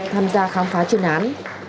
tham gia khám phá chuyên án